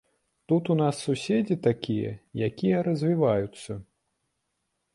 Тут у нас суседзі такія, якія развіваюцца.